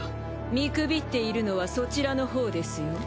見くびっているのはそちらのほうですよ。